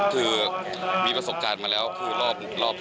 คือมีประสบการณ์มาแล้วคือรอบ๒